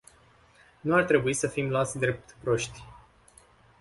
Nu ar trebui să fim luați drept proști.